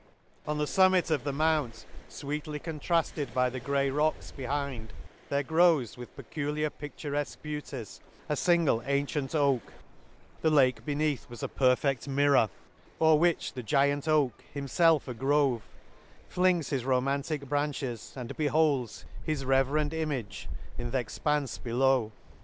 On the fummit of the mount, fweetly 134 ^ n Excursion to fweetly contrafted by the grey rocks be* hind, there grows, with peculiar pic turefque beauties, a fingle ancient oak, —The Lake beneath was a perfect mir ror— m O'er which the giant oak, himfelf a grove, < c Flings his romantic branches, and beholds <M His rev'rend image in th' expanfe below *.